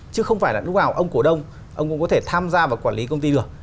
chứ không phải là lúc nào ông cổ đông ông cũng có thể tham gia và quản lý công ty được